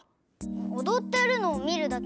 おどってるのをみるだけ？